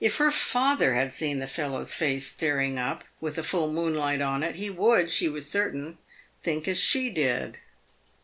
If her father had seen the fellow's face staring up, with the full moonlight on it, he would, she was certain, think as she did.